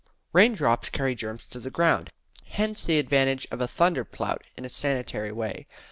Raindrops carry the germs to the ground. Hence the advantage of a thunder plout in a sanitary way.